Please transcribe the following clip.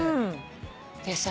でさ